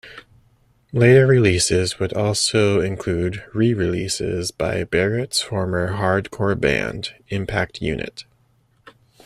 Later releases would also include re-releases by Barrett's former hardcore band, Impact Unit.